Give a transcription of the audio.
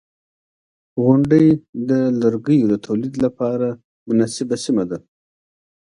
• غونډۍ د لرګیو د تولید لپاره مناسبه سیمه ده.